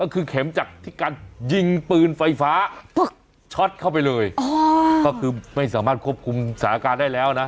ก็คือเข็มจากที่การยิงปืนไฟฟ้าช็อตเข้าไปเลยอ๋อก็คือไม่สามารถควบคุมสถานการณ์ได้แล้วนะ